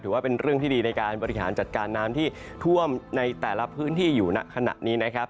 เป็นเรื่องที่ดีในการบริหารจัดการน้ำที่ท่วมในแต่ละพื้นที่อยู่ณขณะนี้นะครับ